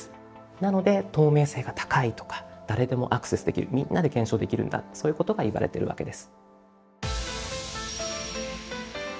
なので透明性が高いとか誰でもアクセスできるみんなで検証できるんだそういうことがいわれてるわけです。